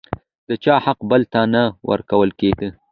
د چا حق بل ته نه ورکول کېده.